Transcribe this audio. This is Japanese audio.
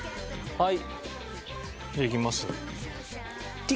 はい。